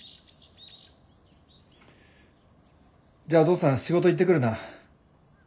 じゃあお父さん仕事行ってくるな。